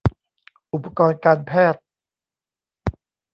อุปกรณ์การแพทย์